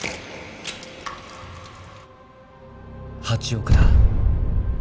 ８億だ。